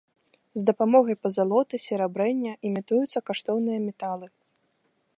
З дапамогай пазалоты, серабрэння імітуюцца каштоўныя металы.